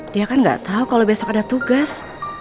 dia kan gak tau kalau besok ada tugas